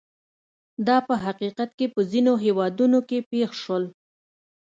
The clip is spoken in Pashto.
دا په حقیقت کې په ځینو هېوادونو کې پېښ شول.